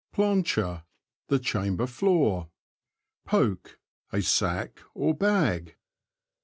253 Plancher. — The chamber floor. Poke. — A sack or bag.